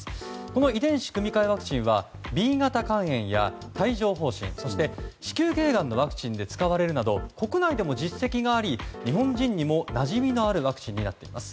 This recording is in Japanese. この遺伝子組み換えワクチンはＢ型肝炎や帯状疱疹そして子宮頸がんのワクチンで使われるなど国内でも実績があり日本人にもなじみのあるワクチンとなっています。